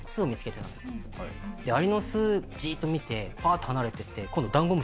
アリの巣じっと見てパッと離れてって今度。